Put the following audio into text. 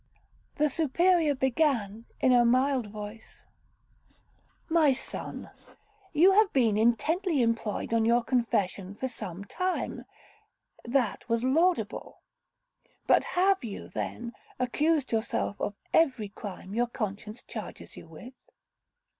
The Superior began, in a mild voice, 'My son, you have been intently employed on your confession for some time—that was laudable. But have you, then, accused yourself of every crime your conscience charges you with?'